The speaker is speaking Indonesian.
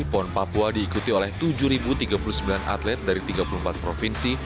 pon papua diikuti oleh tujuh tiga puluh sembilan atlet dari tiga puluh empat provinsi